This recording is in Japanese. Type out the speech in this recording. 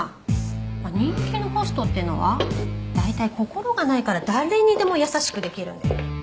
まあ人気のホストってのは大体心がないから誰にでも優しくできるんだよ。